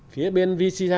phía bên vc hai